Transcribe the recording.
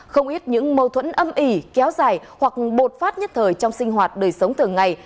không ít những mâu thuẫn âm ỉ kéo dài hoặc bột phát nhất thời trong sinh hoạt đời sống thường ngày